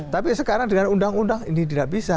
tapi sekarang dengan undang undang ini tidak bisa